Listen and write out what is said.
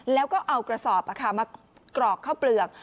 แล้วก็เอากระสอบมากรอกข้าวเปลือก